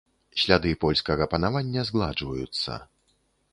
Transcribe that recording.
Сляды польскага панавання згладжваюцца.